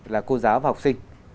là cô giáo và học sinh